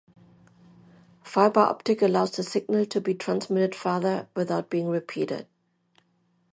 Fiber optic allows the signal to be transmitted farther without being repeated.